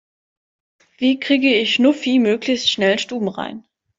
Wie kriege ich Schnuffi möglichst schnell stubenrein?